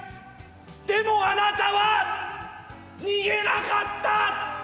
でも、あなたは逃げなかった！